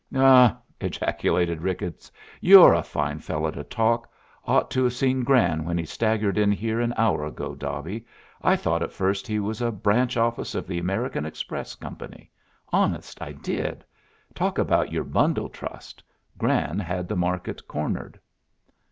"Huh!" ejaculated Ricketts. "You're a fine fellow to talk. Ought to have seen Gran when he staggered in here an hour ago, Dobby. I thought at first he was a branch office of the American Express Company honest I did. Talk about your bundle trust Gran had the market cornered."